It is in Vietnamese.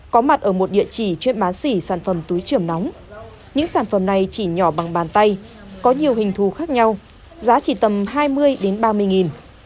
có mặt ở một địa chỉ chuyên bá xỉ sản phẩm túi trường nóng những sản phẩm này chỉ nhỏ bằng bàn tay có nhiều hình thù khác nhau giá chỉ tầm hai mươi ba mươi nghìn